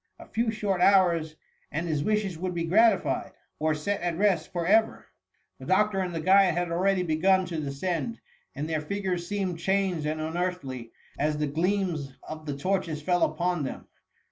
A few short hours, and his wishes would be gratified, or set at rest for ever. The doctor and the guide had already begun to descend, and their figures seemed changed and unearthly as the gleams of the torches fell upon them.